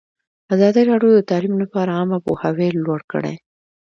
ازادي راډیو د تعلیم لپاره عامه پوهاوي لوړ کړی.